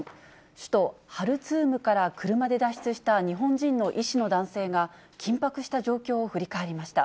首都ハルツームから車で脱出した日本人の医師の男性が、緊迫した状況を振り返りました。